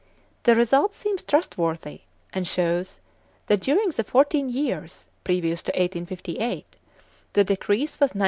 The result seems trustworthy, and shows that during the fourteen years, previous to 1858, the decrease was 19.